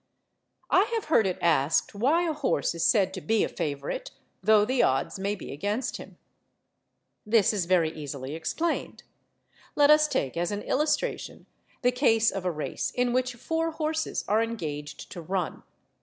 I have heard it asked why a horse is said to be a favourite, though the odds may be against him. This is very easily explained. Let us take as an illustration the case of a race in which four horses are engaged to run.